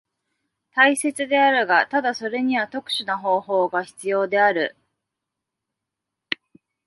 大切であるが、ただそれには特殊な方法が必要である。